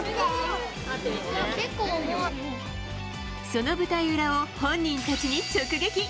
その舞台裏を本人たちに直撃。